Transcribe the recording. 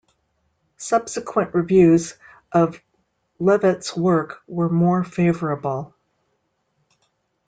Subsequent reviews of Leavitt's work were more favorable.